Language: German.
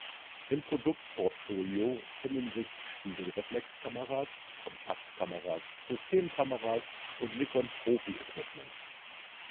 Im Produktportfolio finden sich Spiegelreflexkameras, Kompaktkameras, Systemkameras und Nikon Profi Equipment.